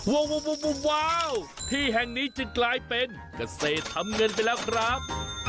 ว้าวที่แห่งนี้จึงกลายเป็นเกษตรทำเงินไปแล้วครับ